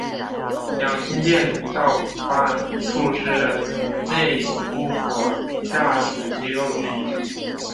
养心殿造办处是内务府的下属机构之一。